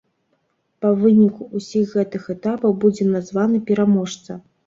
Па выніку ўсіх гэтых этапаў будзе названы пераможца.